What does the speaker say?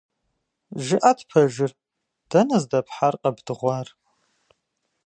ЖыӀэт пэжыр, дэнэ здэпхьар къэбдыгъуар?